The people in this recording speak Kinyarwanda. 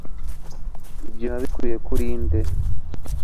ibyo wabikuye kuri nde